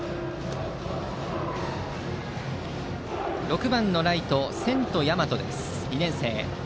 打席は６番のライト専徒大和です、２年生。